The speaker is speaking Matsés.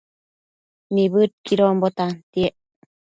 Nibëdquidonbo tantiec